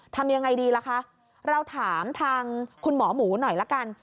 ทำยังไงดีล่ะคะเราถามทางคุณหมอหมูหน่อยละกัน